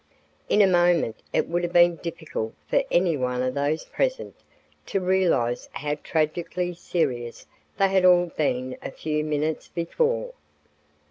In a moment it would have been difficult for any one of those present to realize how tragically serious they had all been a few minutes before.